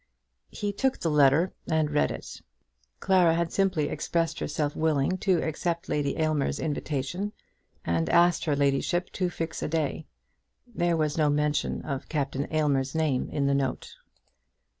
He took the letter and read it. Clara had simply expressed herself willing to accept Lady Aylmer's invitation, and asked her ladyship to fix a day. There was no mention of Captain Aylmer's name in the note.